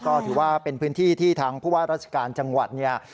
ก็ถือว่าเป็นพื้นที่ที่ทางผู้ว่าราชการจังหวัดเนี่ย